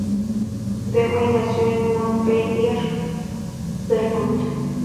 Dewey nació en Montpelier, Vermont.